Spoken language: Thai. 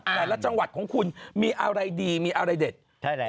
แต่ละจังหวัดของคุณมีอะไรดีมีอะไรเด็ดใช่ไหมครับ